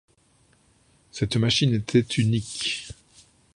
Cette machine était unique.